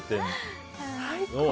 最高。